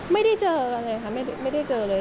ไม่ได้เจอกันเลยค่ะไม่ได้เจอเลย